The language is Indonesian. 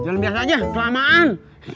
jalan biasa aja selama an